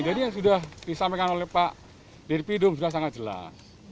jadi yang sudah disampaikan oleh pak diripidum sudah sangat jelas